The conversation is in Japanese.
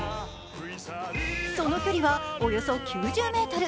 その距離は、およそ９０ｍ。